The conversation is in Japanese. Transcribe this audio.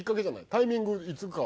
タイミングいつか。